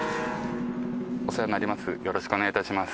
お世話になります